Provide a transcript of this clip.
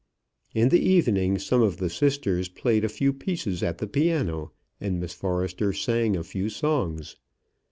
In the evening some of the sisters played a few pieces at the piano, and Miss Forrester sang a few songs.